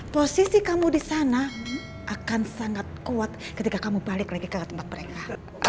posisi kamu di sana akan sangat kuat ketika kamu balik lagi ke tempat mereka